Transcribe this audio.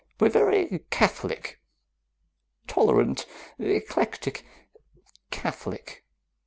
We're very catholic. Tolerant, eclectic, catholic.